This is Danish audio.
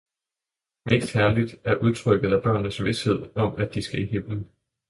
mest herligt er udtrykket af børnenes vished om, at de skal i Himmelen.